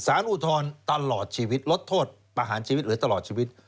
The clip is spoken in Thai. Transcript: อุทธรณ์ตลอดชีวิตลดโทษประหารชีวิตเหลือตลอดชีวิต